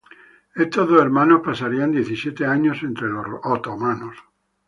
Estos dos hermanos pasarían diecisiete años entre los otomanos.